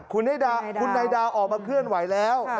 คุณนายดาวออกมาเคลื่อนไหวแล้ว